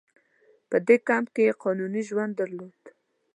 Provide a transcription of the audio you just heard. په دې کمپ کې یې قانوني ژوند درلود.